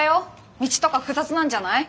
道とか複雑なんじゃない？